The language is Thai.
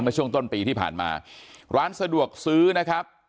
เมื่อช่วงต้นปีที่ผ่านมาร้านสะดวกซื้อนะครับ